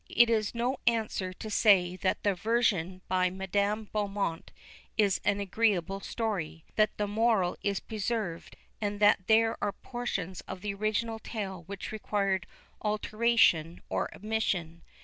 It is no answer to say that the version by Madame de Beaumont is an agreeable story, that the moral is preserved, and that there are portions of the original tale which required alteration or omission.